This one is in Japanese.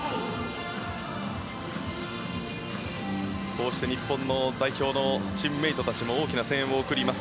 こうして日本の代表のチームメートたちも大きな声援を送ります。